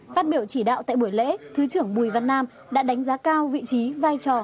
phát biểu chỉ đạo tại buổi lễ thứ trưởng bùi văn nam đã đánh giá cao vị trí vai trò